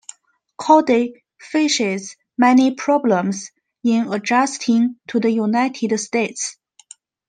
Corday faces many problems in adjusting to the United States.